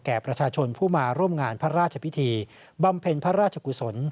ประชาชนผู้มาร่วมงานพระราชพิธีบำเพ็ญพระราชกุศล